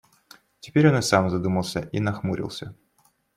Теперь он и сам задумался и нахмурился.